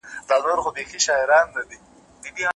ما خو سل ځله ټاکلی خپل لحد وو ستا په ښار کي